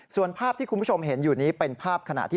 ส่วนภาพที่คุณผู้ชมเห็นอยู่นี้เป็นภาพขณะที่